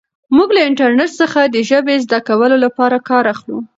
موږ له انټرنیټ څخه د ژبې زده کولو لپاره کار اخلو.